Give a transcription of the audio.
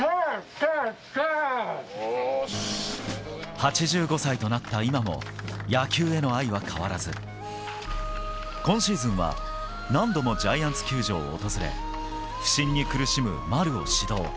８５歳となった今も野球への愛は変わらず今シーズンは何度もジャイアンツ球場を訪れ不振に苦しむ丸を指導。